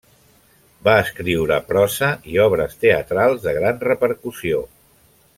Va escriure prosa i obres teatrals de gran repercussió.